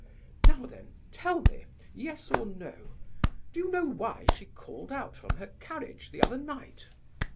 Now then, tell me, yes or no? Do you know why she called out from her carriage the other night?"